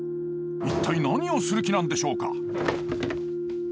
一体何をする気なんでしょうか？